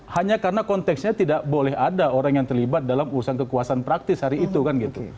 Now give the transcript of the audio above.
hanya karena konteksnya tidak boleh ada orang yang terlibat dalam urusan kekuasaan praktis hari itu kan gitu